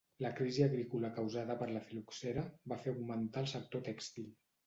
La crisi agrícola causada per la fil·loxera va fer augmentar el sector tèxtil.